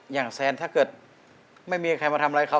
อย่างแซนถ้าเกิดไม่มีใครมาทำร้ายเขา